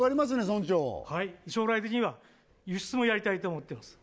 村長はい将来的には輸出もやりたいと思ってます